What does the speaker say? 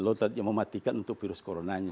dosis yang mematikan untuk virus coronanya